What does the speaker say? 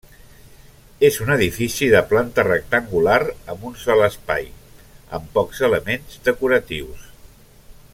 És un edifici de planta rectangular amb un sol espai, amb pocs elements decoratius.